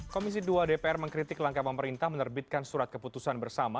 komisi dua dpr mengkritik langkah pemerintah menerbitkan surat keputusan bersama